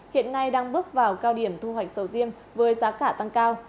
hiện nay đang bước vào cao điểm thu hoạch sầu riêng với giá cả tăng cao